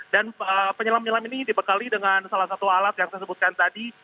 dan penyelam penyelam ini dibekali dengan salah satu alat yang disebutkan tadi